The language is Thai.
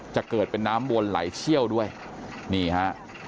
จะเกิดเป็นน้ำวนไหลเชี่ยวด้วยนี่ฮะ